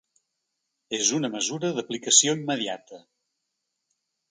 És una mesura d’aplicació immediata.